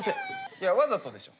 いやわざとでしょ。